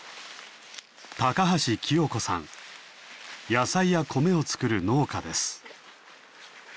野菜や米を作る農家です。